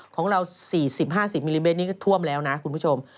ของเรา๔๐๕๐มิลลิเมตรนี่ก็ท่วมแล้วนะคุณผู้ชม